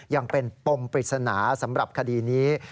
ยังเป็นปมปริศนาสำหรับคดีนี้